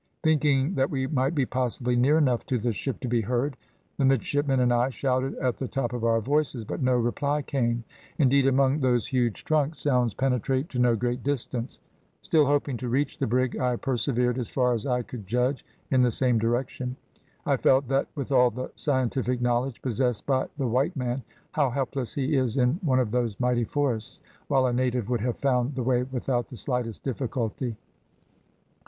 Thinking that we might be possibly near enough to the ship to be heard, the midshipmen and I shouted at the top of our voices, but no reply came; indeed, among those huge trunks, sounds penetrate to no great distance. Still hoping to reach the brig, I persevered, as far as I could judge, in the same direction. I felt that with all the scientific knowledge possessed by the white man, how helpless he is in one of those mighty forests, while a native would have found the way without the slightest difficulty.